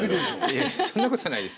いやそんなことはないです。